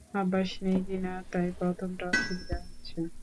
অভ্যাস নেই কি না, তাই প্রথমটা অসুবিধা হচ্ছে।